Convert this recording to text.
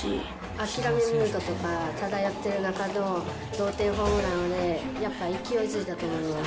諦めムードとか漂ってる中でも同点ホームランでやっぱ勢いづいたと思います。